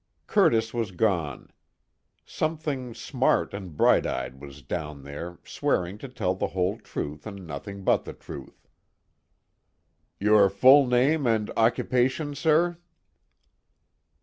Curtis was gone. Something smart and bright eyed was down there swearing to tell the whole truth and nothing but the truth. "Your full name and occupation, sir?"